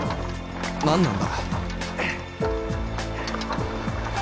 何なんだ？